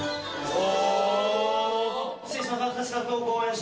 お！